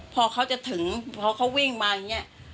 พอเขาจะถึงพอเขาวิ่งมาอย่างนี้